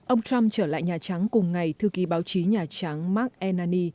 ông trump trở lại nhà trắng cùng ngày thư ký báo chí nhà trắng mark enani